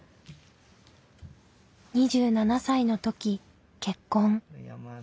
２７歳の時結婚。